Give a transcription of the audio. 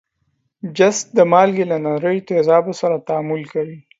جست د مالګې له نریو تیزابو سره تعامل کوي.